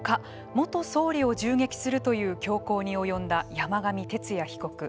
元総理を銃撃するという凶行に及んだ山上徹也被告。